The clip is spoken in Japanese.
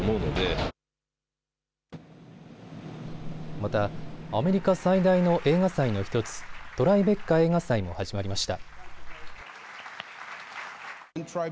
またアメリカ最大の映画祭の１つ、トライベッカ映画祭も始まりました。